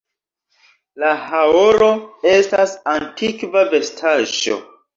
La haoro estas antikva vestaĵo.